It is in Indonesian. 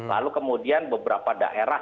lalu kemudian beberapa daerah